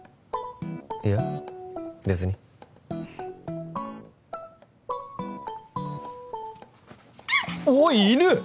いや別においっ犬！